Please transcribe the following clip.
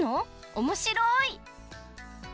おもしろい！